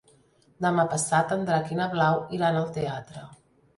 Demà passat en Drac i na Blau iran al teatre.